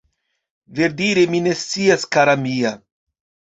Verdire mi ne scias kara mia